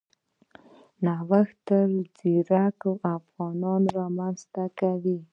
نوښت تل ځیرک انسانان رامنځته کوي.